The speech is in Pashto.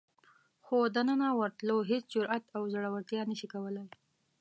خو دننه ورتلو هېڅ جرئت او زړورتیا نشي کولای.